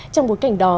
trong bối cảnh đó